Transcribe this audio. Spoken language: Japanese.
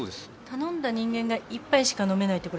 頼んだ人間が１杯しか飲めないって